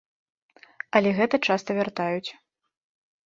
Але гэта часта вяртаюць.